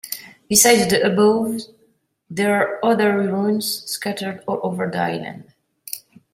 Besides the above there are other ruins scattered all over the island.